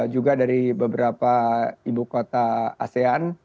juga dari beberapa ibukota asean